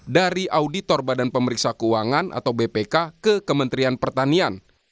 dari auditor badan pemeriksa keuangan atau bpk ke kementerian pertanian